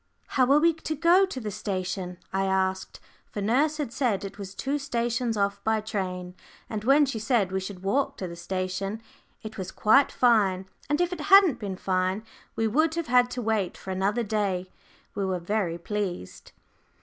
"How are we to go to the station?" I asked, for nurse had said it was two stations off by train, and when she said we should walk to the station it was quite fine, and if it hadn't been fine we would have had to wait for another day we were very pleased.